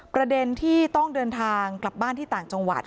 ประเด็นที่ต้องเดินทางกลับบ้านที่ต่างจังหวัด